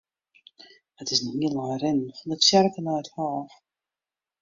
It is in hiel ein rinnen fan de tsjerke nei it hôf.